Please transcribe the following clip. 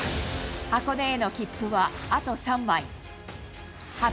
箱根への切符はあと３枚。